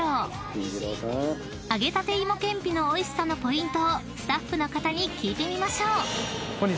［揚げたて芋けんぴのおいしさのポイントをスタッフの方に聞いてみましょう］